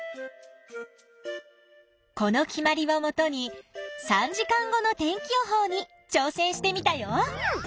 この決まりをもとに３時間後の天気予報にちょう戦してみたよ。